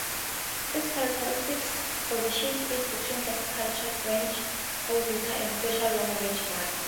Its characteristics positioned it between classical short-range howitzers and special long-range guns.